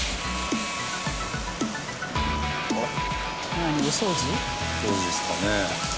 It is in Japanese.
何？お掃除？掃除ですかね？